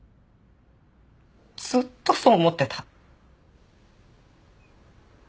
ずっとそう思ってた。